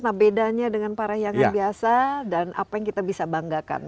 nah bedanya dengan parayangan biasa dan apa yang kita bisa banggakan